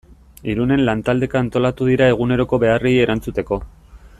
Irunen lantaldeka antolatu dira eguneroko beharrei erantzuteko.